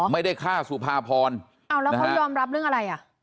ไม่ได้ฆ่าสุภาพรอ้าวแล้วเขายอมรับเรื่องอะไรอ่ะ